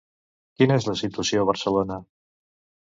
Quina és la situació a Barcelona?